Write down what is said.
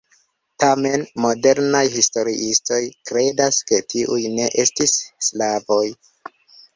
Tamen modernaj historiistoj kredas ke tiuj ne estis slavoj.